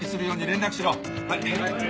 はい。